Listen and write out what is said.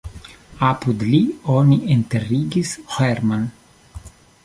Apud li oni enterigis Herrmann.